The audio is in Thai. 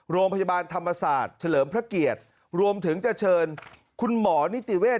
โรงพยาบาลธรรมศาสตร์เฉลิมพระเกียรติรวมถึงจะเชิญคุณหมอนิติเวศ